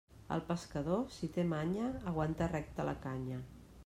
El pescador, si té manya, aguanta recta la canya.